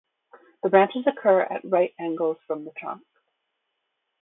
The branches occur at right angles from the trunk.